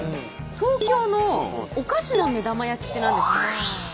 東京の「お菓子な目玉焼き」って何ですか？